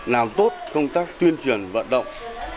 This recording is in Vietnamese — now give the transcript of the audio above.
làm tốt công tác tuyên truyền vận động